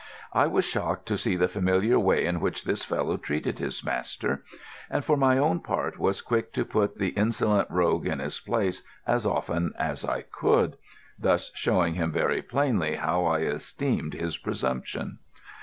I was shocked to see the familiar way in which this fellow treated his master, and, for my own part, was quick to put the insolent rogue in his place as often as I could, thus showing him very plainly how I esteemed his presumption.